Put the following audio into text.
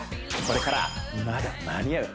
これからまだ間に合う！